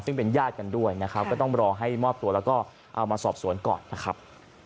ซึ่งเป็นญาติกันด้วยนะครับก็ต้องรอให้มอบตัวแล้วก็เอามาสอบสวนก่อนนะครับ